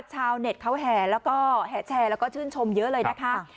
ชาวเน็ตเขาแห่และแชร์และถึงชมเยอะเลยนะคะ